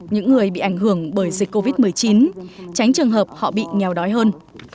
những người bị ảnh hưởng bởi dịch covid một mươi chín tránh trường hợp họ bị nghèo đói hơn